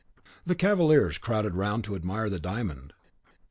The cavaliers crowded round to admire the diamond.